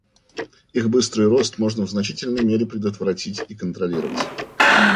Их быстрый рост можно в значительной мере предотвратить и контролировать.